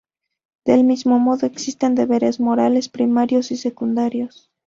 Del mismo modo, existen deberes morales primarios y secundarios.